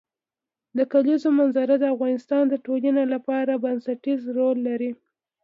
د کلیزو منظره د افغانستان د ټولنې لپاره بنسټيز رول لري.